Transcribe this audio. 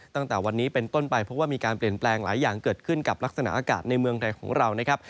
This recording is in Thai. ตั้งแต่วันนี้เป็นต้นไปพบว่ามีการเปลี่ยนแปลงหลายอย่างเกิดขึ้นกับลักษณะอากาศในเมืองไทยของเรานะครับ